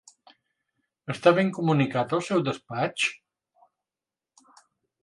Està ben comunicat el seu despatx?